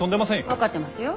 分かってますよ。